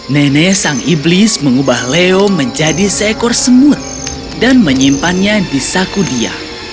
nenek sang iblis mengubah leo menjadi seekor semut dan menyimpannya di saku dia